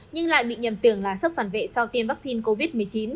nhưng lại bị nhầm tưởng là sốc phản vệ sau tiêm vaccine covid một mươi chín